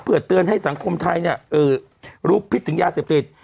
เปิดเตือนให้สังคมไทยเนี่ยเออรู้ผิดถึงย่าเสพติด